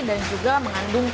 dan juga mengandung tahu